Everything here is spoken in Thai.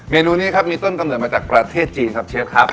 เมนูนี้ครับมีต้นกำเนิดมาจากประเทศจีนครับเชฟครับ